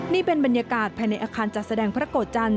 นี่เป็นบรรยากาศภายในอาคารจัดแสดงพระโกจันท